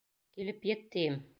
Килеп ет, тием!